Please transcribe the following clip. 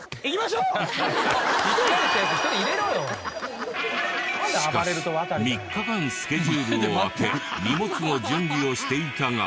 しかし３日間スケジュールを空け荷物の準備をしていたが。